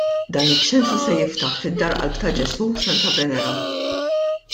Dan iċ-ċentru se jiftaħ fid-Dar Qalb ta' Ġesù, Santa Venera.